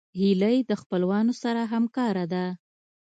هیلۍ د خپلوانو سره همکاره ده